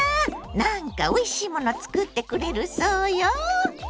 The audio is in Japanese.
なんかおいしいもの作ってくれるそうよ！